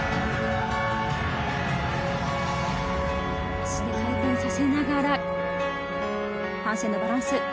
足で回転させながらパンシェのバランス。